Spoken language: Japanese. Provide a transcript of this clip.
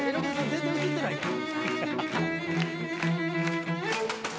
全然写ってないやん！